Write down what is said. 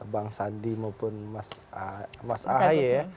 bang sandi maupun mas ahy ya